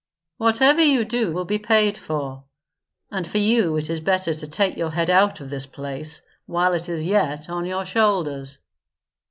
"Whatever you do will be paid for; and for you it is better to take your head out of this place while it is yet on your shoulders."